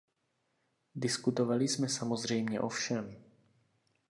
Diskutovali jsme samozřejmě o všem.